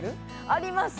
あります